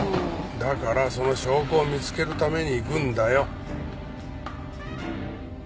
だからその証拠を見つけるために行くんだよ。